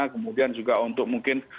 kemudian juga untuk mungkin